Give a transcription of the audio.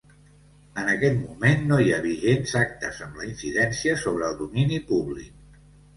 En aquest moment no hi ha vigents actes amb incidència sobre el domini públic.